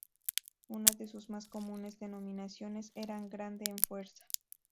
Una de sus más comunes denominaciones era "grande en fuerza".